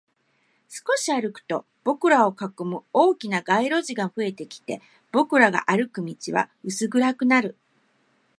少し歩くと、僕らを囲む大きな街路樹が増えてきて、僕らが歩く道は薄暗くなる